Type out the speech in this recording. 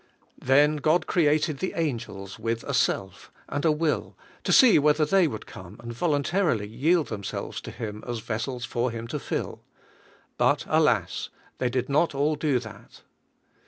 Then God created the angels with a self and a will, to see whether they would come and voluntarily yield themselves to Him as vessels for Him to fill. But alas! they did not all do that.